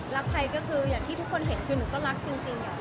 รักใครก็คืออย่างที่ทุกคนเห็นคือหนูก็รักจริง